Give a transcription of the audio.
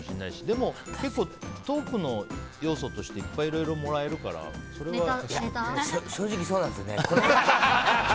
でも、トークの要素としていっぱいいろいろもらえるから正直そうなんですよね。